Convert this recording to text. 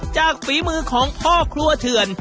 จากฝีมือของพ่อครัวเทือน